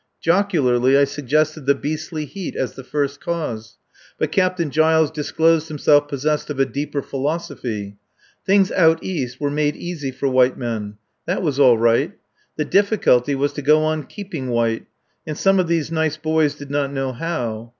Jocularly I suggested the beastly heat as the first cause. But Captain Giles disclosed himself possessed of a deeper philosophy. Things out East were made easy for white men. That was all right. The difficulty was to go on keeping white, and some of these nice boys did not know how.